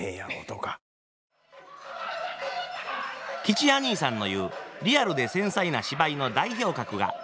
吉弥にいさんの言うリアルで繊細な芝居の代表格が「夏祭浪花鑑」。